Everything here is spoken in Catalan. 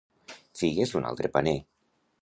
Figues d'un altre paner.